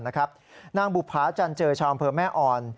นางบุภาจันเจอชาวอำเภอแม่อ่อน